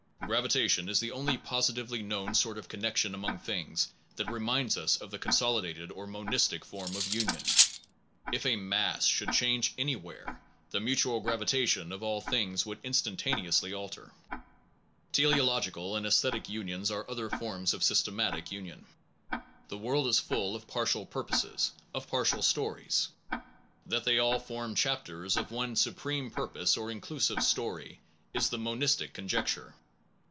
Gravitation is the only positively known sort of connection among things that reminds us of the consolidated or monistic form of union. If a mass should change any where, the mutual gravitation of all things would instantaneously alter. Teleological and aesthetic unions are other forms of systematic union. The world is full Unity of o f partial purposes, of partial stories. purpose, meaning That they all form chapters of one supreme purpose and inclusive story is the monistic conjecture.